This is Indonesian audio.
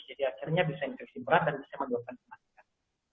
jadi akhirnya bisa infeksi berat dan bisa menyebabkan kematian